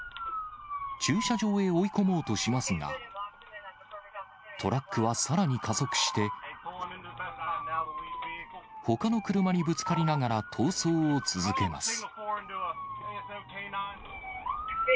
駐車場へ追い込もうとしますが、トラックはさらに加速して、ほかの車にぶつかりながら、逃走を続けます。